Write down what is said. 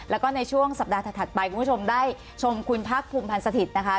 แล้วก็ในช่วงสัปดาห์ถัดไปคุณผู้ชมได้ชมคุณพักภูมิพันธ์สถิตย์นะคะ